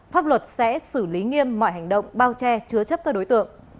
pháp luật sẽ xử lý nghiêm mọi hành động bao che chứa chấp các đối tượng